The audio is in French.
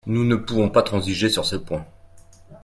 Nous ne pouvons pas transiger sur ce point.